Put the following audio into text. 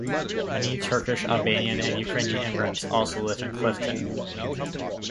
Many Turkish, Albanian, and Ukrainian immigrants also live in Clifton.